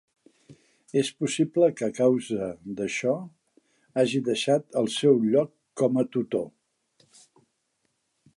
És possible que a causa d'això hagi deixat el seu lloc com a tutor.